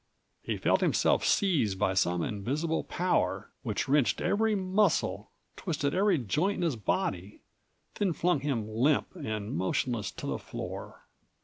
He felt himself seized by some invisible power which wrenched every muscle, twisted every joint in his body, then flung him limp and motionless to the floor.